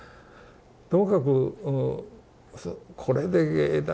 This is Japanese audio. ともかくこれで藝大か。